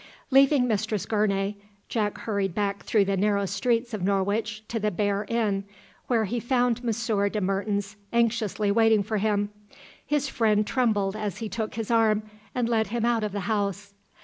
Leaving Mistress Gournay, Jack hurried back through the narrow streets of Norwich to the Bear Inn, where he found Monsieur de Mertens anxiously waiting for him. His friend trembled as he took his arm and led him out of the house.